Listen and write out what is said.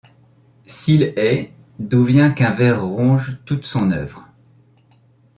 S’Il est, d’où vient qu’un ver ronge toute son œuvre